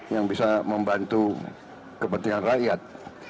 yang bisa membantu kepentingan rakyat